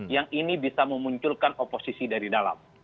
yang ini bisa memunculkan oposisi dari dalam